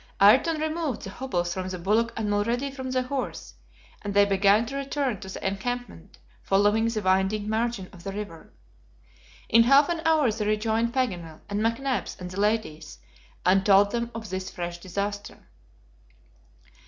Ayrton removed the hobbles from the bullock and Mulrady from the horse, and they began to return to the encampment, following the winding margin of the river. In half an hour they rejoined Paganel, and McNabbs, and the ladies, and told them of this fresh disaster.